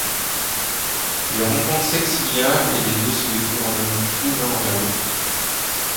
Il rencontre Sexilia et les deux se découvrent un amour fou l'un envers l'autre.